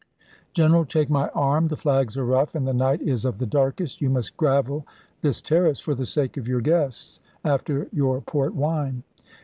"General, take my arm. The flags are rough, and the night is of the darkest. You must gravel this terrace, for the sake of your guests, after your port wine."